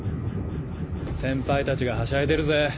先輩たちがはしゃいでるぜ。